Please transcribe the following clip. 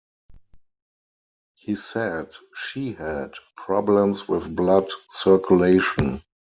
He said she had problems with blood circulation.